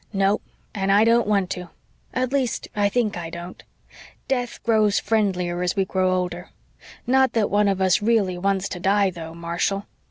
"No; and I don't want to at least, I think I don't. Death grows friendlier as we grow older. Not that one of us really wants to die though, Marshall.